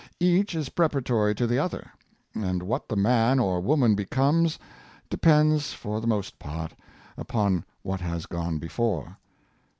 Each is preparatory to the other, and what the man or woman becomes, depends for the most part upon what has gone before.